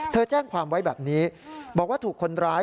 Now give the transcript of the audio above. แจ้งความไว้แบบนี้บอกว่าถูกคนร้าย